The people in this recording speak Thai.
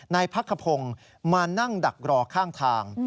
นายพักขพงศ์มานั่งดักรอข้างทาง